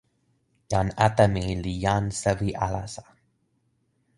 jan Atemi li jan sewi alasa.